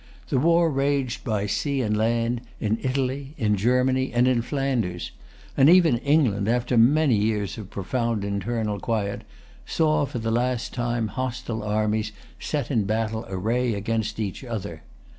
The war raged by sea and land, in Italy, in Germany, and in Flanders; and even England, after many years of profound internal quiet, saw, for the last time, hostile armies set in battle array against each other.